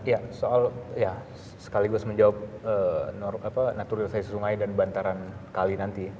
ya soal ya sekaligus menjawab naturalisasi sungai dan bantaran kali nanti